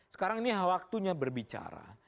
sekarang ini waktunya berbicara